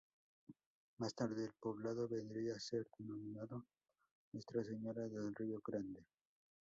Más tarde, el poblado vendría a ser denominado Nuestra Señora del Río Grande.